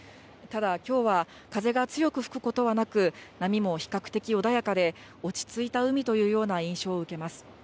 ただ、きょうは風が強く吹くことはなく、波も比較的穏やかで、落ち着いた海というような印象を受けます。